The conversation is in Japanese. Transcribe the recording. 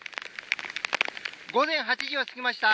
午前８時を過ぎました。